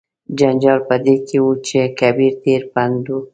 جنجال په دې کې و چې کبیر ډیر پنډ و.